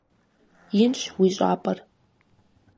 Инщ уи щӀапӀэр.